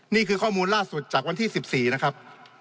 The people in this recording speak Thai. นี่คือข้อมูลล่าสุดจากวันที่๑๔นะครับ